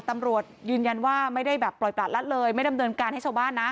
ตำรวจยืนยันว่าไม่ได้แบบปล่อยประละเลยไม่ดำเนินการให้ชาวบ้านนะ